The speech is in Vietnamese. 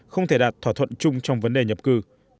không thể đạt thỏa thuận chung trong vấn đề nhập cư